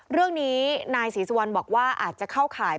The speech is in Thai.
เรื่องนี้นายศรีสวรรค์บอกว่าอาจจะเข้าขายเปลี่ยน